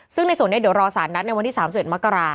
ซึ่งในส่วนนี้เดี๋ยวรอสารนัดในวันที่๓๑มกรา